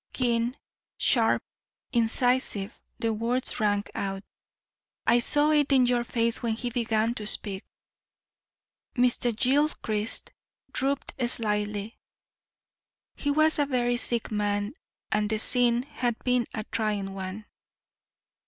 Keen, sharp, incisive, the words rang out. "I saw it in your face when he began to speak." Mr. Gilchrist drooped slightly; he was a very sick man and the scene had been a trying one.